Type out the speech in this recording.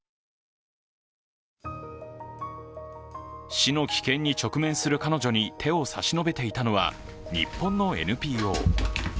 死の危険に直面する彼女に手を差し伸べていたのは日本のＮＰＯ。